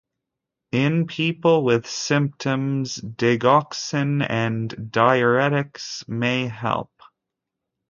In people with symptoms, digoxin and diuretics may help.